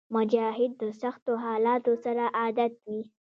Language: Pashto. مجاهد د سختو حالاتو سره عادت وي.